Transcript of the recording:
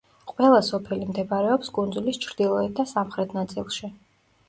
ყველა სოფელი მდებარეობს კუნძულის ჩრდილოეთ და სამხრეთ ნაწილში.